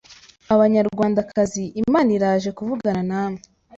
Banyarwandakazi imana iraje kuvugana namwe